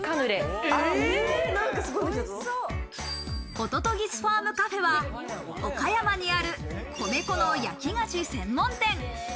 ホトトギスファームカフェは岡山にある米粉の焼き菓子専門店。